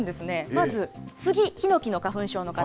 まずスギ、ヒノキの花粉症の方。